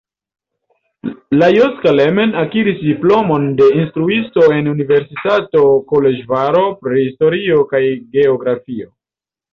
Lajos Kelemen akiris diplomon de instruisto en Universitato Koloĵvaro pri historio kaj geografio.